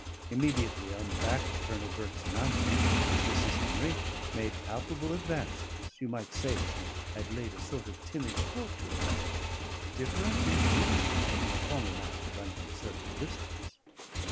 Immediately on the back of Colonel Burke's announcement Mrs. Henry made palpable advances; you might say she had laid a sort of timid court to her husband, different, indeed, from her former manner of unconcern and distance.